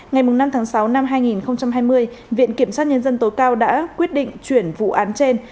ngày năm tháng sáu năm hai nghìn hai mươi viện kiểm sát nhân dân tối cao đã quyết định chuyển vụ án trên